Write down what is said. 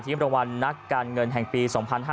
รางวัลนักการเงินแห่งปี๒๕๕๙